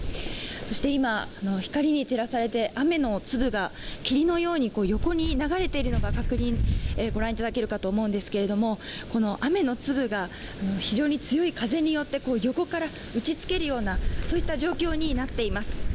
そして今、光に照らされて雨の粒が霧のように横に流れているのがご覧いただけるかと思うんですけれどもこの雨の粒が非常に強い風によって、横から打ち付けるような、そういった状況になっています。